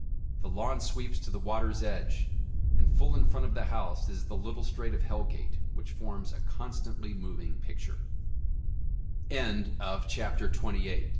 The lawn sweeps to the water's edge, and full in front of the house is the little strait of Hell Gate, which forms a constantly moving picture/' 271 CHAPTER XXIX.